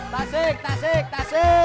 tasik tasik tasik